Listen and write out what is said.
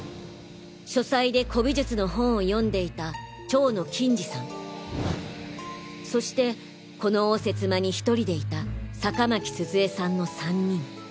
書斎で古美術の本を読んでいた蝶野欽治さんそしてこの応接間に１人でいた坂巻鈴江さんの３人。